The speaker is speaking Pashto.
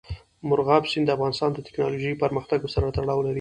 مورغاب سیند د افغانستان د تکنالوژۍ پرمختګ سره تړاو لري.